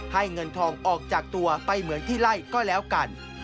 เงินทองออกจากตัวไปเหมือนที่ไล่ก็แล้วกัน